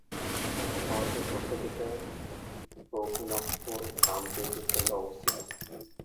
শহরটির উত্তর দিকে রঘুনাথপুর তাপবিদ্যুৎ কেন্দ্র অবস্থিত।